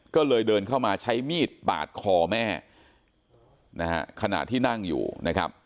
ก็เลยเดินเข้ามาใช้มีดปาดคอแม่นะฮะขณะที่นั่งอยู่นะครับ